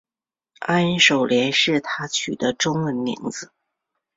安守廉是他取的中文名字。